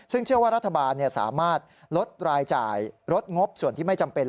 ซึ่งเชื่อว่ารัฐบาลสามารถลดรายจ่ายลดงบส่วนที่ไม่จำเป็น